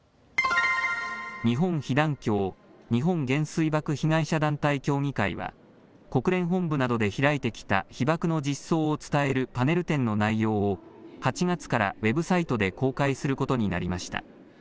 日本被団協・日本原水爆被害者団体協議会は国連本部などで開いてきた被爆の実相を伝えるパネル展の内容を８月からウェブサイトで公開することになりました。